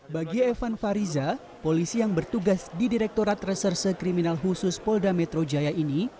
bagi evan fariza polisi yang bertugas di direktorat reserse kriminal khusus polda metro jaya ini